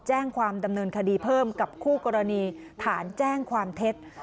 แจ้งความดำเนินคดีเพิ่มกับคู่กรณีฐานแจ้งความเท็จ